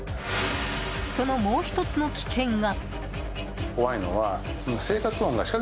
そのもう１つの危険が。